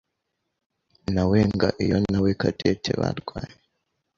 Nawenga iyo nawe Cadette barwanye.